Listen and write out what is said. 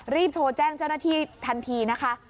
รีบโทรแจ้งเจ้าหน้าที่ทันทีนะคะ